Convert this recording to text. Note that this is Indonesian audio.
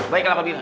baiklah pak bim